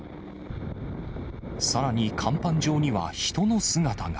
さらに甲板上には人の姿が。